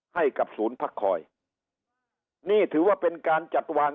ให้กับศูนย์พักคอยนี่ถือว่าเป็นการจัดวาง